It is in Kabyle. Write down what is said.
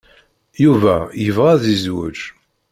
Yuba yebɣa ad yezweǧ.